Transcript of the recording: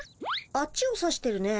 あっちを指してるね。